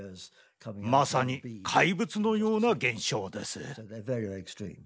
まさに怪物のような現象です。